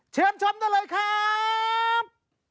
เชิญชมได้เลยครับ